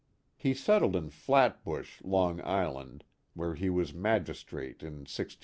He settled in Flatbush, Long Island, where he was magistrate in 1678 80.